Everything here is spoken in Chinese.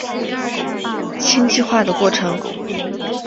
羟基化的过程。